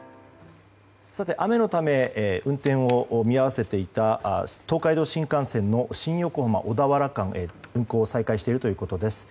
雨のため運転を見合わせていた東海道新幹線の新横浜小田原間は運行を再開しているということです。